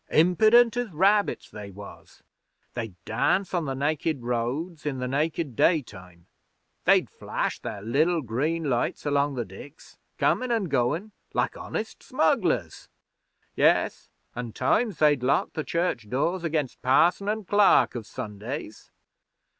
Impident as rabbits, they was. They'd dance on the nakid roads in the nakid daytime; they'd flash their liddle green lights along the diks, comin' an' goin', like honest smugglers. Yes, an' times they'd lock the church doors against parson an' clerk of Sundays.'